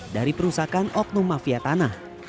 dari perusahaan okno mafia tanah